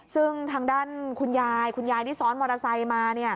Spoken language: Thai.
ซึ่งทางด้านคุณยายคุณยายที่ซ้อนมอเตอร์ไซค์มา